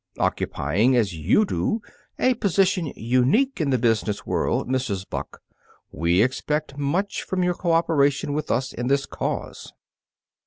Occupying as you do a position unique in the business world, Mrs. Buck, we expect much from your cooperation with us in this cause."